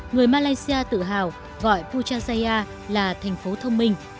người malaysia tự hào gọi puchaya là thành phố thông minh